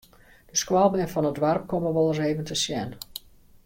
De skoalbern fan it doarp komme wolris even te sjen.